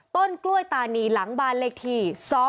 ต้นกล้วยตานีหลังบ้านเลขที่๒๕๖